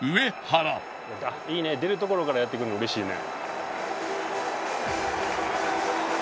いいね出るところからやってくれるの嬉しいね。